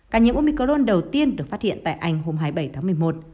ca nhiễm umicron đầu tiên được phát hiện tại anh hôm hai mươi bảy tháng một mươi một